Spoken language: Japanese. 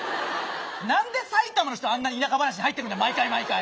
何で埼玉の人あんなに田舎話に入ってくるんだ毎回毎回！